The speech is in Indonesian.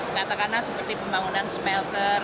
katakanlah seperti pembangunan smelter